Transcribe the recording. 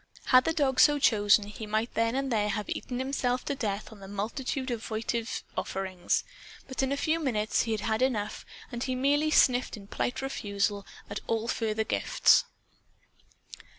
Had the dog so chosen, he might then and there have eaten himself to death on the multitude of votive offerings. But in a few minutes he had had enough, and he merely sniffed in polite refusal at all further gifts.